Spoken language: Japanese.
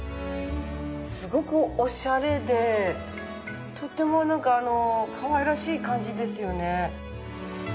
すごくオシャレでとてもなんかあのかわいらしい感じですよね。